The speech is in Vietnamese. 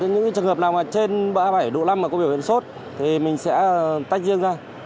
những trường hợp nào trên bã bảy độ năm mà có biểu hiện sốt thì mình sẽ tách riêng ra